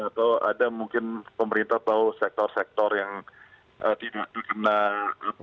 atau ada mungkin pemerintah tahu sektor sektor yang dikenal gitu